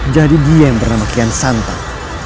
jadi dia yang pernah membuatkan santan